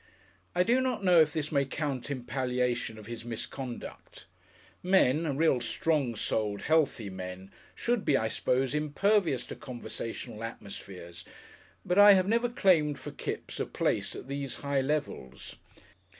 I do not know if this may count in palliation of his misconduct. Men, real Strong Souled, Healthy Men, should be, I suppose, impervious to conversational atmospheres, but I have never claimed for Kipps a place at these high levels.